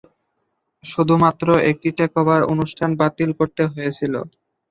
শুধুমাত্র একটি টেকওভার অনুষ্ঠান বাতিল করতে হয়েছিল।